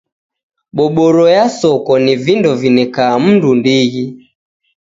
Boboro ya soko ni vindo vineka mundu ndighi.